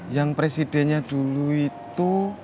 yang presidennya dulu itu